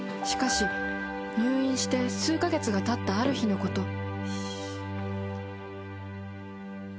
［しかし入院して数カ月がたったある日のこと］